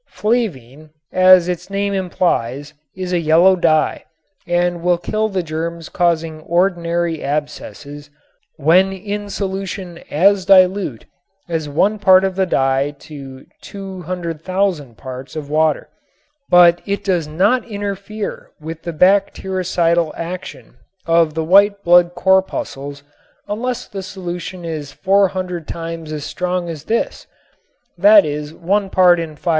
Flavine, as its name implies, is a yellow dye and will kill the germs causing ordinary abscesses when in solution as dilute as one part of the dye to 200,000 parts of water, but it does not interfere with the bactericidal action of the white blood corpuscles unless the solution is 400 times as strong as this, that is one part in 500.